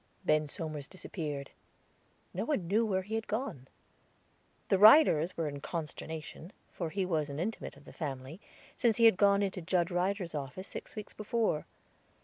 Ben Somers disappeared; no one knew where he had gone. The Ryders were in consternation, for he was an intimate of the family, since he had gone into Judge Ryder's office, six weeks before.